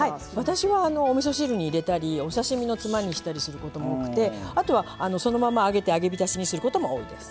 私はおみそ汁に入れたりお刺身のつまにしたりすることも多くてあとはそのまま揚げて揚げびたしにすることも多いです。